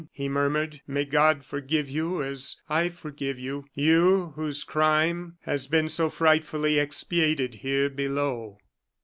he murmured; "may God forgive you as I forgive you you whose crime has been so frightfully expiated here below!"